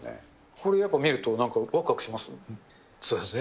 これやっぱ、見るとわくわくしまそうですね。